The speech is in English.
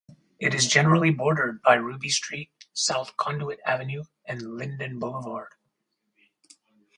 It is generally bordered by Ruby Street, South Conduit Avenue, and Linden Boulevard.